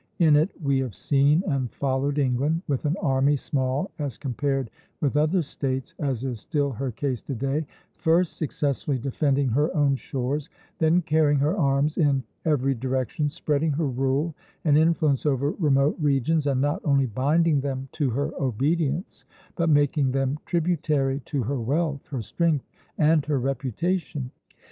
In it we have seen and followed England, with an army small as compared with other States, as is still her case to day, first successfully defending her own shores, then carrying her arms in every direction, spreading her rule and influence over remote regions, and not only binding them to her obedience, but making them tributary to her wealth, her strength, and her reputation.